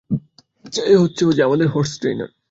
আচ্ছা, এ হচ্ছে ওজে - আমাদের হর্স ট্রেইনার।